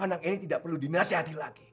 anak ini tidak perlu dinasihati lagi